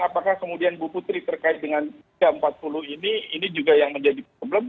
apakah kemudian bu putri terkait dengan tiga ratus empat puluh ini ini juga yang menjadi problem